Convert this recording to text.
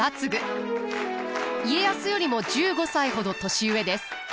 家康よりも１５歳ほど年上です。